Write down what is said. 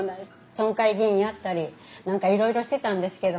村会議員やったり何かいろいろしてたんですけどね